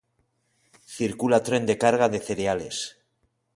Circula tren de carga de cereales